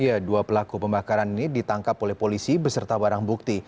ya dua pelaku pembakaran ini ditangkap oleh polisi beserta barang bukti